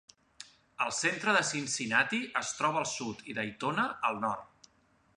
El centre de Cincinnati es troba al sud, i Dayton al nord.